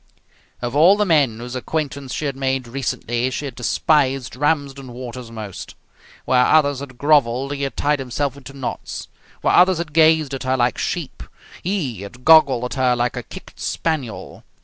Of all the men whose acquaintance she had made recently she had despised Ramsden Waters most. Where others had grovelled he had tied himself into knots. Where others had gazed at her like sheep he had goggled at her like a kicked spaniel.